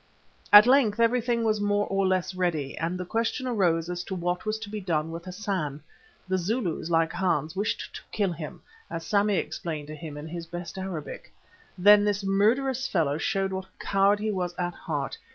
At length everything was more or less ready, and the question arose as to what was to be done with Hassan. The Zulus, like Hans, wished to kill him, as Sammy explained to him in his best Arabic. Then this murderous fellow showed what a coward he was at heart.